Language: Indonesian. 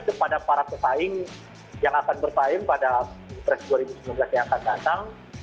kepada para pesaing yang akan bersaing pada pilpres dua ribu sembilan belas yang akan datang